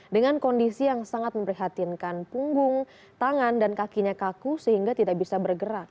dengan kondisi yang sangat memprihatinkan punggung tangan dan kakinya kaku sehingga tidak bisa bergerak